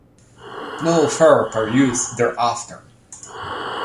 No fare per use thereafter.